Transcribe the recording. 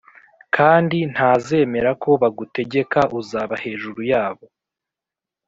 Kandi ntazemera ko bagutegeka; uzaba hejuru yabo,